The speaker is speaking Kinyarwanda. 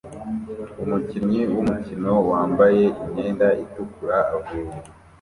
Umukinyi wumukino wambaye imyenda itukura avuye